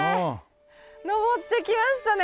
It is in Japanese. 登ってきましたね。